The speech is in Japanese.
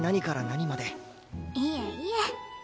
いえいえ。